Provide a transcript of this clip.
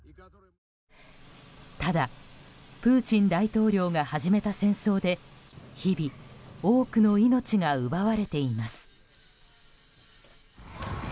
ただ、プーチン大統領が始めた戦争で日々、多くの命が奪われています。